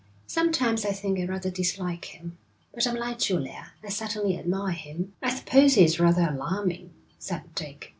'Sometimes I think I rather dislike him. But I'm like Julia, I certainly admire him.' 'I suppose he is rather alarming,' said Dick.